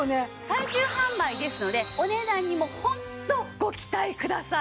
最終販売ですのでお値段にもホントご期待ください。